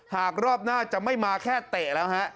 หากรอบหน้าจะไม่มาแค่เตะแล้วฮะ